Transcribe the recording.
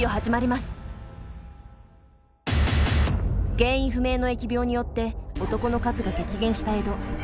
原因不明の疫病によって男の数が激減した江戸。